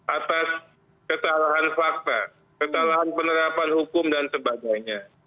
atas kesalahan fakta kesalahan penerapan hukum dan sebagainya